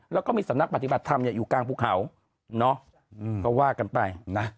แล้วก็มีสำนักปฏิบัติธรรมอยู่กลางภูเขาก็ว่ากันไปนะ